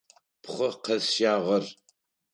Пхъэ къэсщагъэр.